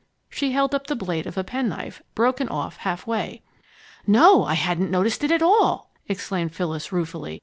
She held up the blade of a penknife, broken off halfway. "No, I hadn't noticed it at all!" exclaimed Phyllis, ruefully.